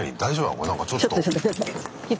これなんかちょっと。